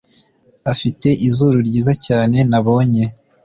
afite izuru ryiza cyane nabonye.